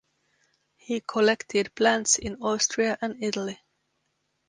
He collected plants in Austria and Italy.